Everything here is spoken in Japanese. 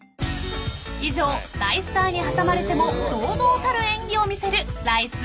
［以上大スターに挟まれても堂々たる演技を見せるライス関町でした］